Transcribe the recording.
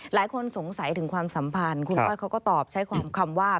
หลายคนสงสัยถึงความสัมพันธ์คุณก้อยเขาก็ตอบใช้คำว่า